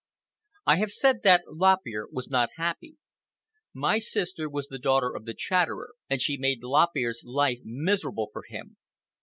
I have said that Lop Ear was not happy. My sister was the daughter of the Chatterer, and she made Lop Ear's life miserable for him.